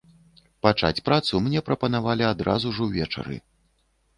Пачаць працу мне прапанавалі адразу ж увечары.